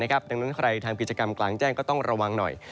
ดังนั้นใครทำกิจกรรมกลางแจ้งก็ต้องระวังหน่อย